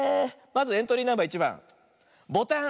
まずエントリーナンバー１ばんボタン。